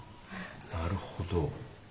なるほど。